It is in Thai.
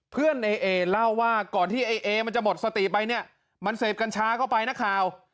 ในเอเล่าว่าก่อนที่ไอ้เอมันจะหมดสติไปเนี่ยมันเสพกัญชาเข้าไปนักข่าว